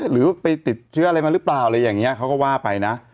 หรือไปติดเชื้ออะไรมาหรือเปล่าอะไรอย่างนี้เขาก็ว่าไปนะ